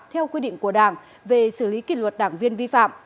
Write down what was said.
theo quy định của đảng về xử lý kỷ luật đảng viên vi phạm